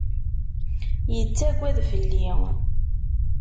Yettagad fell-i.